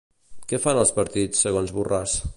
Què fan els partits, segons Borràs?